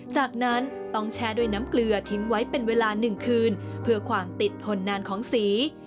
จากนั้นต้องแช่ด้วยน้ำเกลือทิ้งไว้เป็นเวลา๑คืนเพื่อความติดทนนานของสี